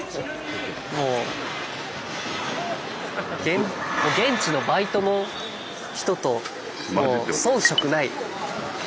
もう現地のバイトの人と遜色ない。